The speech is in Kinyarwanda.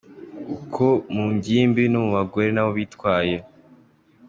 Uko mu ngimbi no mu bagore nabo bitwaye.